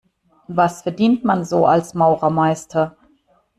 Was verdient man so als Maurermeister?